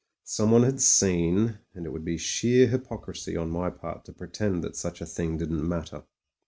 Someone had seen, and it would be sheer hypocrisy on my part to pretend that such a thing didn't matter.